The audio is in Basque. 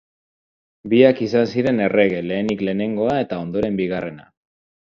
Biak izan ziren errege, lehenik lehenengoa eta ondoren bigarrena.